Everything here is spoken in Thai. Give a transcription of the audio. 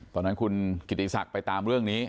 ตอนนั้นคุณกิติศักดิ์ไปตามเรื่องนี้